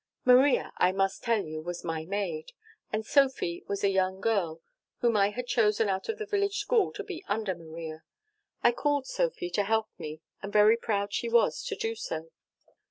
"Maria, I must tell you, was my maid, and Sophy was a young girl whom I had chosen out of the village school to be under Maria. I called Sophy to help me, and very proud she was to do so.